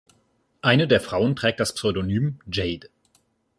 Eine der Frauen trägt das Pseudonym „Jade“.